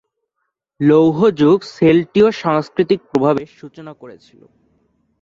লৌহ যুগ সেল্টীয় সাংস্কৃতিক প্রভাবের সূচনা করেছিল।